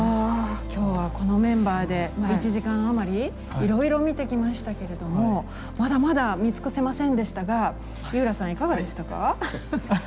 今日はこのメンバーで１時間余りいろいろ見てきましたけれどもまだまだ見尽くせませんでしたが井浦さんいかがでしたか？